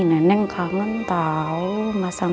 neneng kangen tau masa masa itu